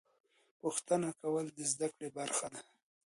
پوښتنه کول د زده کړې برخه ده.